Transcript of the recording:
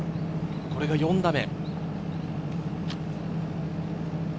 これが４打目。